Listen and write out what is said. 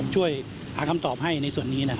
ช่วยหาคำตอบให้ในส่วนนี้